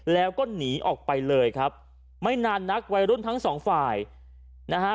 แล้วก็หนีออกไปเลยครับไม่นานนักวัยรุ่นทั้งสองฝ่ายนะฮะ